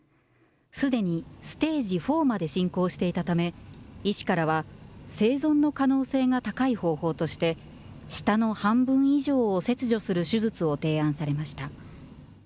すでにステージ４まで進行していたため、医師からは、生存の可能性が高い方法として、舌の半分以上を切除する手術を提案されました。